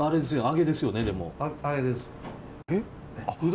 揚げです。